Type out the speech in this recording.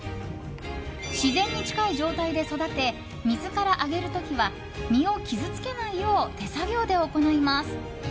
自然に近い状態で育て水から上げる時は身を傷つけないよう手作業で行います。